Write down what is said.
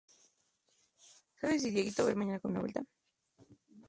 El mismo año recibió otro aprendiz, Gaspar de Lax, natural de Monzón.